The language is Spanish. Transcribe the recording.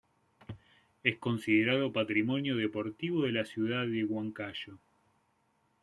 Es considerado Patrimonio Deportivo de la ciudad de Huancayo.